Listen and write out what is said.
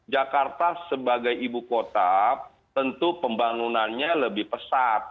jakarta sebagai ibu kota tentu pembangunannya lebih pesat